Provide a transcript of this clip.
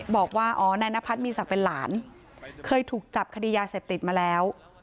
บอกว่าอ๋อนายนพัฒน์มีศักดิ์เป็นหลานเคยถูกจับคดียาเสพติดมาแล้ว